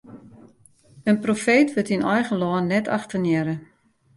In profeet wurdt yn eigen lân net achtenearre.